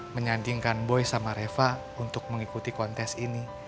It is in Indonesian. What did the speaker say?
menyandingkan boy sama reva untuk mengikuti kontes ini